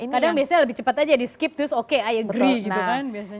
kadang biasanya lebih cepat aja di skip terus oke ayo group gitu kan biasanya